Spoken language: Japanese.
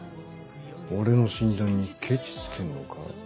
俺の診断にけちつけるのか？